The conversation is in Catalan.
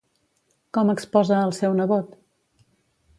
Com exposa al seu nebot?